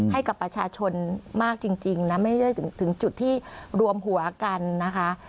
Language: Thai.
ให้กับประชาชนมากจริงนะไม่ได้ถึงจุดที่รวมหัวกันนะคะ